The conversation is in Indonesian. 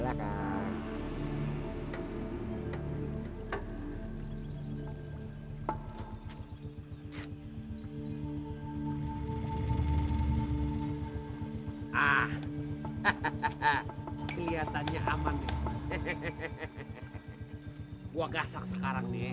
ah hahaha lihatannya aman hehehe gua gasak sekarang nih